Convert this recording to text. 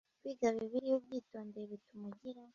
kwiga bibiliya ubyitondeye bituma ugira